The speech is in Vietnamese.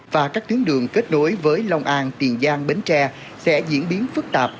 và các tuyến đường kết nối với long an tiền giang bến tre sẽ diễn biến phức tạp